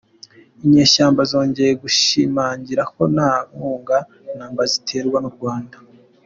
Inyeshyamba zongeye gushimangira ko nta nkunga na mba ziterwa n’u Rwanda